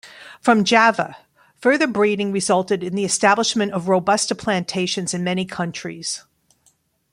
From Java, further breeding resulted in the establishment of robusta plantations in many countries.